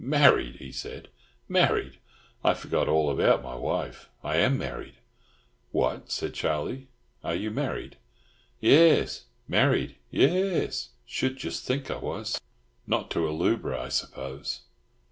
"Married!" he said. "Married! I forgot all about my wife. I am married!" "What!" said Charlie. "Are you married?" "Yairs. Married. Yairs! Should just think I was." "Not to a lubra, I suppose?"